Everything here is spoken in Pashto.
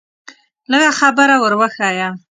لږه خبره ور وښیه.